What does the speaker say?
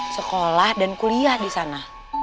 sekolah dan kuliah di sana